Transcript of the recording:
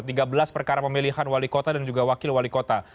tiga belas perkara pemilihan wali kota dan juga wakil wali kota